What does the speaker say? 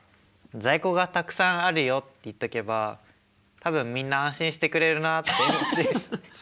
在庫がたくさんあるよって言っとけば多分みんな安心してくれるなって思って。